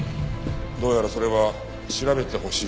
どうやらそれは調べてほしい証拠らしい。